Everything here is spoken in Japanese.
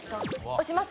押します。